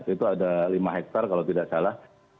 itu ada lima hektare kalau tidak salah